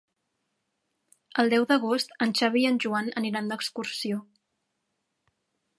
El deu d'agost en Xavi i en Joan aniran d'excursió.